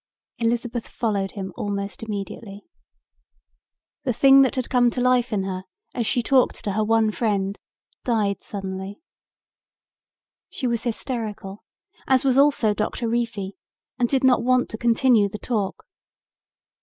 Elizabeth followed him almost immediately. The thing that had come to life in her as she talked to her one friend died suddenly. She was hysterical, as was also Doctor Reefy, and did not want to continue the talk.